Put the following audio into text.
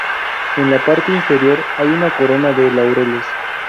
En la parte inferior hay una corona de laureles.